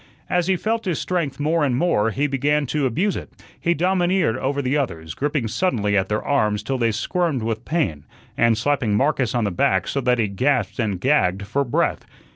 As he felt his strength more and more, he began to abuse it; he domineered over the others, gripping suddenly at their arms till they squirmed with pain, and slapping Marcus on the back so that he gasped and gagged for breath.